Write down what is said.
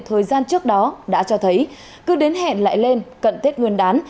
thời gian trước đó đã cho thấy cứ đến hẹn lại lên cận tết nguyên đán